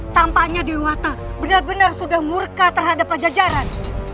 tampaknya dewata benar benar sudah murka terhadap pajajaran